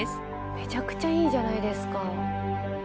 めちゃくちゃいいじゃないですか。